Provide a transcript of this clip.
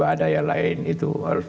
teruai badai yang lain itu harus